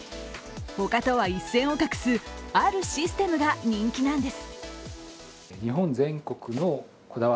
他とは一線を画すあるシステムが人気なんです。